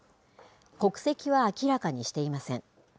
国籍は明らかにしていません。